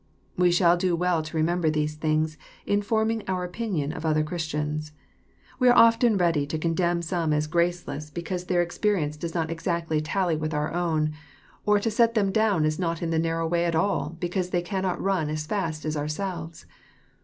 We shall do well to remember these things, in forming our opinion of other Christians. We are often read}'' to condemn some as graceless, because their experience does 54 EXPOSITOBT THOUGHTS. not exactly tally with oar own, or to set them down as not in the narrow way at all, because they cannot ran as fast as ourselves.